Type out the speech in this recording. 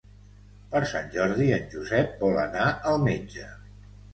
Per Sant Jordi en Josep vol anar al metge.